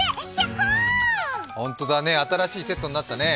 ほんとだね、新しいセットになったね。